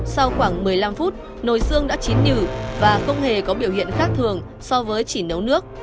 sau khoảng một mươi năm phút nồi xương đã chín nhử và không hề có biểu hiện khác thường so với chỉ nấu nước